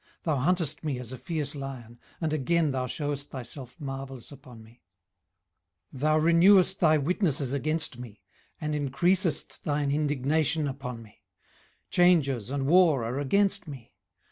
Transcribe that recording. Thou huntest me as a fierce lion: and again thou shewest thyself marvellous upon me. 18:010:017 Thou renewest thy witnesses against me, and increasest thine indignation upon me; changes and war are against me.